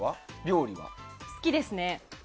好きですね。